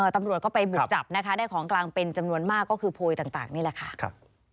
ตำรวจก็ไปบุกจับนะคะได้ของกลางเป็นจำนวนมากก็คือโพยต่างนี่แหละค่ะ